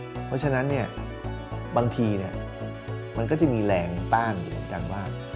เพราะฉะนั้นบางทีมันก็จะมีแรงต้านอยู่เหมือนกันว่า